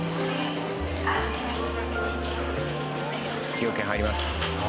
崎陽軒入ります。